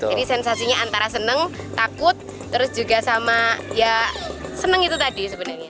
jadi sensasinya antara seneng takut terus juga sama ya seneng itu tadi sebenarnya